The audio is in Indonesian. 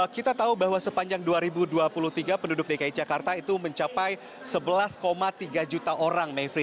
kita tahu bahwa sepanjang dua ribu dua puluh tiga penduduk dki jakarta itu mencapai sebelas tiga juta orang mevri